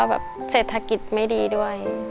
แบบเศรษฐกิจไม่ดีด้วย